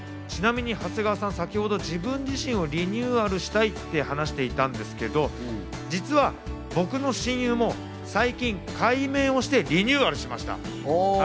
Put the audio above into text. ちなみに長谷川さん、先ほど自分自身をリニューアルしたいって話していたんですけど、実は僕の親友も最近改名をしてリニューアルしました。